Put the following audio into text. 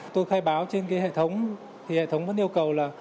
tôi khai báo trên cái hệ thống thì hệ thống vẫn yêu cầu là